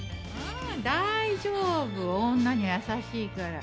大丈夫女には優しいから。